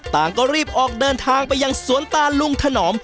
ต่างก็รีบออกเดินทางไปยังสวนตาลุงถนอม